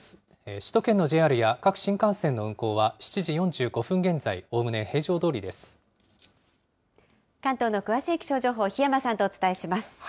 首都圏のＪＲや各新幹線の運行は７時４５分現在、関東の詳しい気象情報、檜山さんとお伝えします。